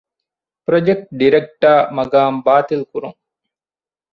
ޕްރޮޖެކްޓް ޑިރެކްޓަރ މަޤާމް ބާތިލްކުރުން